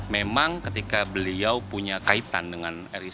memang ketika beliau punya kaya untuk tni angkatan darat